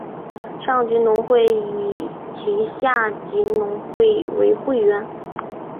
上级农会以其下级农会为会员。